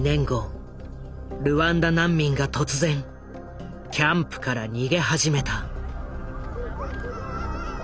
ルワンダ難民が突然キャンプから逃げ始めた。